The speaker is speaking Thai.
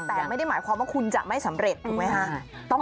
แต่ไม่ได้หมายความว่าคุณจะไม่สำเร็จถูกไหมคะ